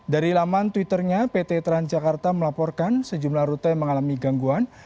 dari laman twitternya pt transjakarta melaporkan sejumlah rute yang mengalami gangguan